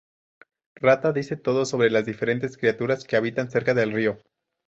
Rata dice Topo sobre las diferentes criaturas que habitan cerca del río.